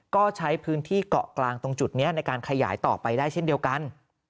ก็ใช้พื้นที่เกาะกลางตรงจุดนี้ในการขยายต่อไปได้เช่นเดียวกัน